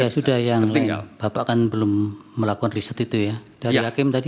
ya sudah yang bapak kan belum melakukan riset itu ya dari hakim tadi